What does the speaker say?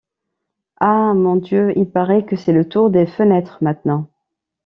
Ah! mon Dieu ! il paraît que c’est le tour des fenêtres maintenant.